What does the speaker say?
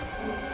saya mau belajar